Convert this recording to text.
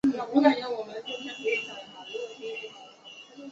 现校舍为香港大学专业进修学院机构附属明德学院。